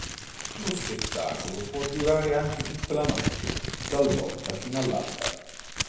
Uno spettacolo può durare anche tutta la notte, talvolta fino all'alba.